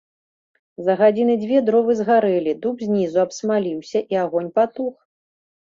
За гадзіны дзве дровы згарэлі, дуб знізу абсмаліўся, і агонь патух.